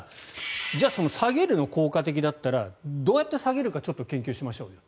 じゃあ、その下げるの効果的だったらどうやって下げるか研究しましょうよと。